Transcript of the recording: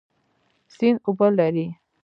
سیند اوبه لري